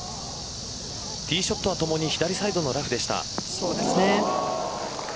ティーショットはともに左サイドのラフでした。